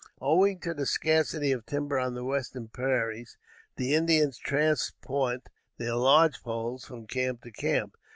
Owing to the scarcity of timber on the western prairies the Indians transport their lodge poles from camp to camp.